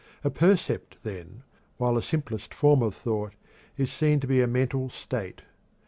A percept, then, while the simplest form of thought, is seen to be a mental state.